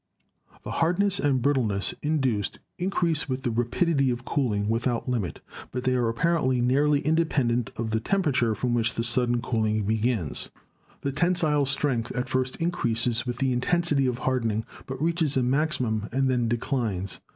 The hardness and brittleness induced increase with the rapidity of cooling without limit, but they are apparently nearly independent of the temperature from which the sudden cooling begins. 296 GEOLOGY The tensile strength at first increases with the intensity of hardening, but reaches a maximum and then declines.